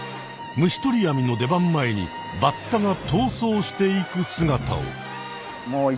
虫とり網の出番前にバッタが逃走していく姿を。